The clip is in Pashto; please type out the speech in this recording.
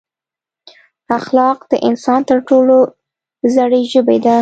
اخلاق د انسان تر ټولو زړې ژبې ده.